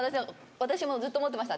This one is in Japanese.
私もうずっと思ってました